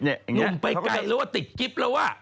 ผงไปกันแล้วว่าติดกิ๊บแล้ว